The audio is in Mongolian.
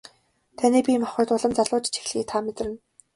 Таны бие махбод улам залуужиж эхлэхийг та мэдэрнэ.